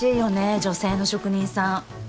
女性の職人さん。